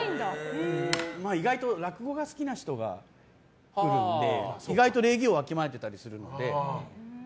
意外と落語が好きな人が来るので意外と礼儀をわきまえてたりするので。